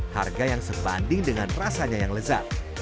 harga yang sebanding dengan rasanya yang lezat